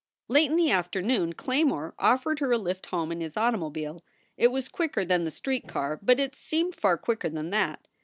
Late in the afternoon Claymore offered her a lift home in his automobile. It was quicker than the street car, but it seemed far quicker than that.